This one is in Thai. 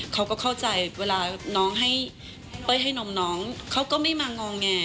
เขาก็เข้าใจเวลาน้องให้เป้ยให้นมน้องเขาก็ไม่มางอแง